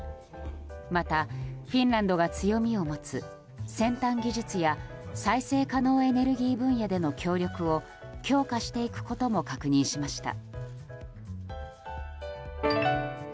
また、フィンランドが強みを持つ先端技術や再生可能エネルギー分野での協力を強化していくことも確認しました。